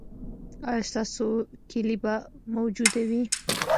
ایا ستاسو کیلي به موجوده وي؟